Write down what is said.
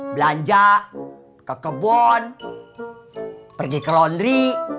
belanja ke kebun pergi ke laundry